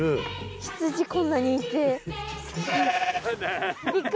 羊こんなにいて。